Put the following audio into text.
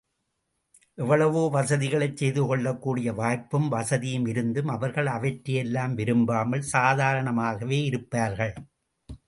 எவ்வளவோ வசதிகளைச் செய்து கொள்ளக் கூடிய வாய்ப்பும், வசதியும் இருந்தும் அவர்கள் அவற்றையெல்லாம் விரும்பாமல், சாதாரணமாகவே இருப்பார்கள்.